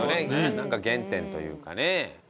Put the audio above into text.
なんか原点というかね。